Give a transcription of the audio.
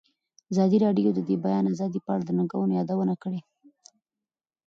ازادي راډیو د د بیان آزادي په اړه د ننګونو یادونه کړې.